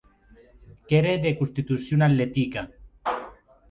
Qu'ère de constitucion atletica.